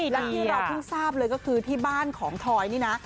และที่เราเพิ่งทราบเลยก็คือที่บ้านของทอยนี่นะ